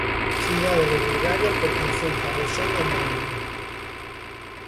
Cidade de Bulgaria pertencente á rexión homónima.